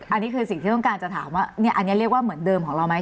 อันนี้คือสิ่งที่ต้องการจะถามว่าอันนี้เรียกว่าเหมือนเดิมของเราไหม